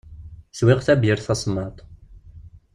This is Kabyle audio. Swiɣ tabeyyirt tasemmaḍt.